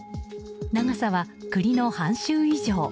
長さは栗の半周以上。